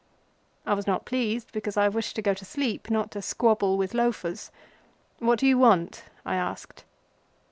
I was not pleased, because I wished to go to sleep, not to squabble with loafers. "What do you want?" I asked.